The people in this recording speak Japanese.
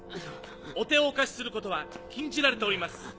お手をお貸しすることは禁じられております。